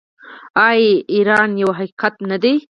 آیا ایران یو حقیقت نه دی؟